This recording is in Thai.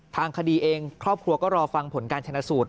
ทางคดีเองครอบครัวก็รอฟังผลการชนะสูตร